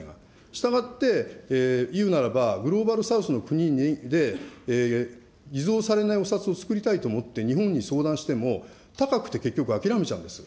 したがって、言うならばグローバル・サウスの国で偽造されないお札を作りたいと思って、日本に相談しても、高くて結局諦めちゃうんです。